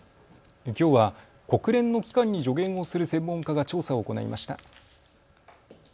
きょうは国連の機関に助言をする専門家が調査を行いました。